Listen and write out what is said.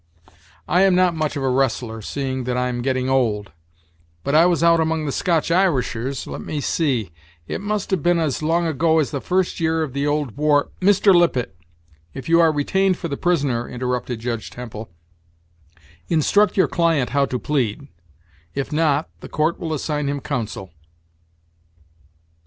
I am not much of a wrestler, seeing that I'm getting old; but I was out among the Scotch Irishers let me see it must have been as long ago as the first year of the old war " "Mr. Lippet, if you are retained for the prisoner," interrupted Judge Temple, "instruct your client how to plead; if not, the court will assign him counsel."